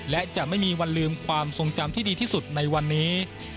และจะไม่มีวันลืมความทรงจำที่ดีที่สุดในวันนี้